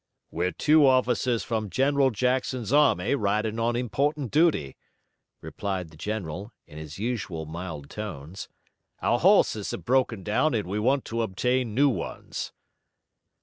"We're two officers from General Jackson's army riding on important duty," replied the general, in his usual mild tones. "Our horses have broken down and we want to obtain new ones."